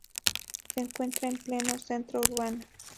Se encuentra en pleno centro urbano.